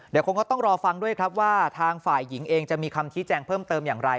เดี๋ยวคงก็ต้องรอฟังด้วยครับว่าทางฝ่ายหญิงเองจะมีคำชี้แจงเพิ่มเติมอย่างไร